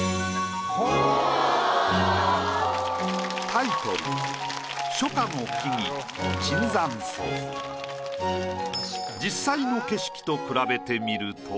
タイトル実際の景色と比べてみると。